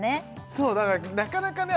そうだからなかなかね